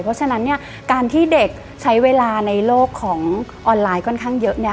เพราะฉะนั้นเนี่ยการที่เด็กใช้เวลาในโลกของออนไลน์ค่อนข้างเยอะเนี่ย